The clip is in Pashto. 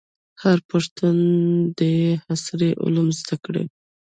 هر پښتون دي عصري علوم زده کړي.